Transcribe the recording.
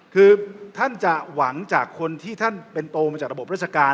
คือท่านจะหวังท่านจะเป็นเองตัวมาจากราบบุรุษการ